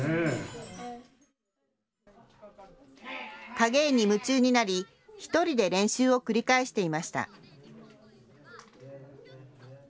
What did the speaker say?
影絵に夢中になり１人で練習を繰り返していました。